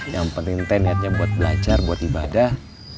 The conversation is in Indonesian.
yang penting teh niatnya buat belajar buat ibadah